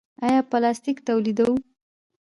آیا پلاستیک تولیدوو؟